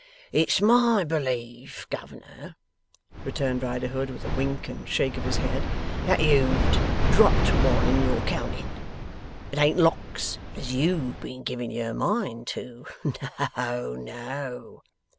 'It's my belief, governor,' returned Riderhood, with a wink and shake of his head, 'that you've dropped one in your counting. It ain't Locks as YOU'VE been giving your mind to. No, no!